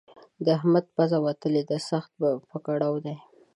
د احمد پزه وتلې ده؛ سخت په کړاو دی.